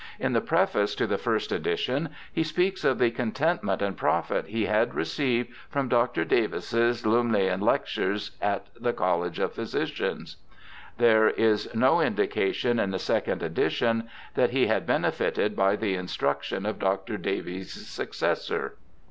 In the preface to the first edition he speaks of the contentment and profit he had received from Dr. Davies's Lumleian Lectures at the College of Physicians. There is no indi cation in the second edition that he had benefited by the instruction of Dr. Davies's successor.